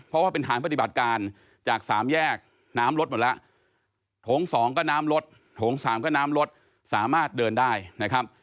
เพราะว่าเป็นฐานปฏิบัติการจากสามแยกน้ำลดหมดแล้วโถง๒ก็น้ำลดโถงสามก็น้ำรถสามารถเดินได้นะครับ